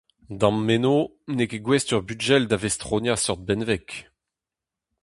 Da'm meno, n'eo ket gouest ur bugel da vestroniañ seurt benveg.